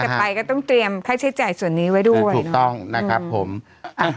ไปก็ต้องเตรียมค่าใช้จ่ายส่วนนี้ไว้ด้วยถูกต้องนะครับผมอ่ะ